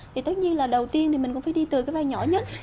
thì tất nhiên là đầu tiên thì mình cũng phải đi từ cái vai nhỏ nhất